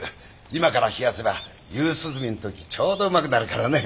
今から冷やせば夕涼みの時ちょうどうまくなるからね。